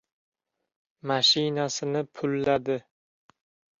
Mashinasini pulladi.